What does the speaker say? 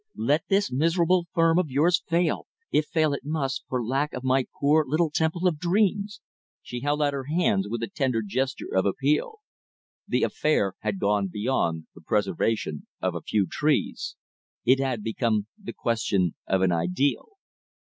Let this miserable firm of yours fail, if fail it must for lack of my poor little temple of dreams," she held out her hands with a tender gesture of appeal. The affair had gone beyond the preservation of a few trees. It had become the question of an ideal.